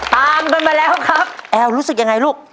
ตามกันมาแล้วครับแอลรู้สึกยังไงลูก